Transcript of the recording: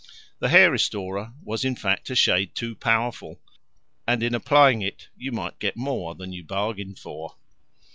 The hair restorer was in fact a shade too powerful, and in applying it you might get more than you bargained for.